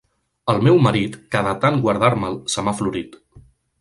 El meu marit, que de tant guardar-me'l se m'ha florit.